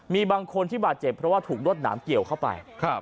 มีบางคนที่บาดเจ็บเพราะว่าถูกรวดหนามเกี่ยวเข้าไป